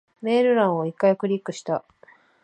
メール欄を一回クリックした。